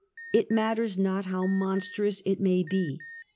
It matters not how monstrous it may be.